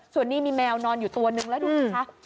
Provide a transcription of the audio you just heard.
ส่วนนี้มีแมวนอนอยู่ตัวนึงแล้วดูสิคะ